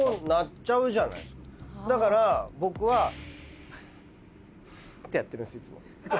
だから僕はふーんふーんってやってるんですよいつも。